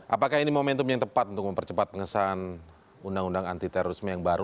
apakah ini momentum yang tepat untuk mempercepat pengesahan undang undang anti terorisme yang baru